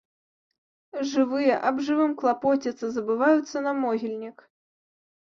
Жывыя аб жывым клапоцяцца, забываюцца на могільнік.